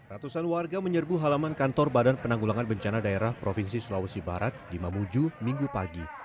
ratusan warga menyerbu halaman kantor badan penanggulangan bencana daerah provinsi sulawesi barat di mamuju minggu pagi